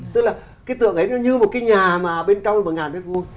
tức là cái tượng ấy nó như một cái nhà mà bên trong là một ngàn mét vuông